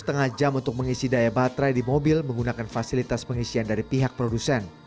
setengah jam untuk mengisi daya baterai di mobil menggunakan fasilitas pengisian dari pihak produsen